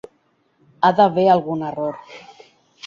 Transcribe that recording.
Ha d'haver algun error.